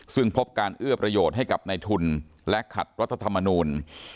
ซึ่งพบการเอื้อประโยชน์ให้กับในทุนและขัดรัฐธรรมนูล